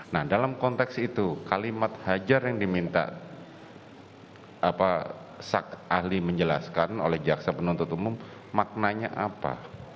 nah dalam konteks itu kalimat hajar yang diminta sak ahli menjelaskan oleh jaksa penuntut umum maknanya apa